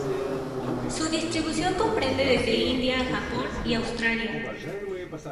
Su distribución comprende desde India a Japón y Australia.